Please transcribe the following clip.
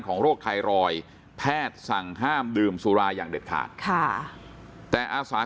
โรคไทรอยด์แพทย์สั่งห้ามดื่มสุราอย่างเด็ดขาดค่ะแต่อาสา